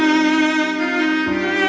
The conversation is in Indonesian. kenapa andin udah tidur sih